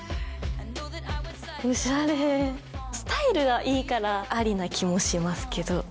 オシャレスタイルがいいからアリな気もしますけど。